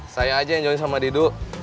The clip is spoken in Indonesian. saya aja yang join sama didu